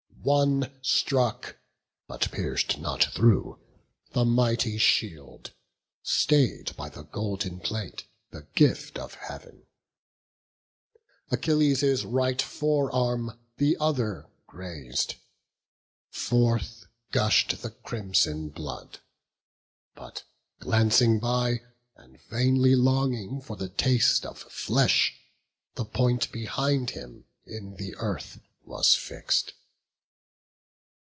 One struck, but pierc'd not through, the mighty shield, Stay'd by the golden plate, the gift of Heav'n; Achilles' right fore arm the other graz'd: Forth gush'd the crimson blood; but, glancing by And vainly longing for the taste of flesh, The point behind him in the earth was fix'd.